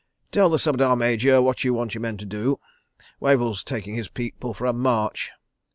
Tell the Subedar Major what you want your men to do. Wavell's taking his people for a march.